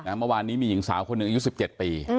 เมื่อวานนี้มีหญิงสาวคนหนึ่งอายุ๑๗ปี